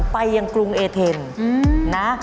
ไปยังกรุงเอเทนนะ